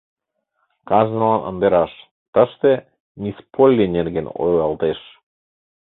Кажнылан ынде раш: тыште мисс Полли нерген ойлалтеш.